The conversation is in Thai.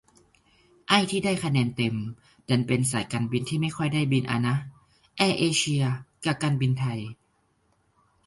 ไอ้ที่ได้คะแนนเต็ม ดันเป็นสายการบินที่ไม่ค่อยได้บินอะนะ แอร์เอเชีย กะ การบินไทย